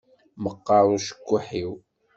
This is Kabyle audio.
Meqqeṛ ucekkuḥ-iw.